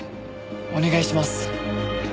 お願いします。